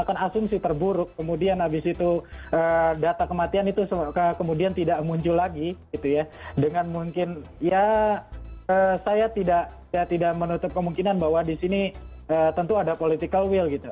karena saya tidak menutup kemungkinan bahwa disini tentu ada political will gitu